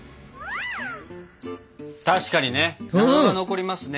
確かにね謎が残りますね。